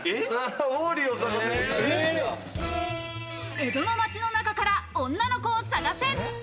江戸の町の中から女の子をさがせ！